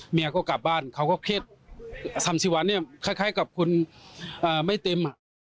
เมียก็กลับบ้านเขาก็เครียด๓๐วันเนี่ยคล้ายกับคุณไม่เต็ม